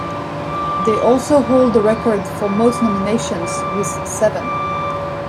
They also hold the record for most nominations, with seven.